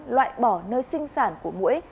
loại bỏ nơi sinh sản của mũi